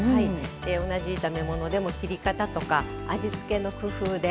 同じ炒め物でも切り方とか味付けの工夫で。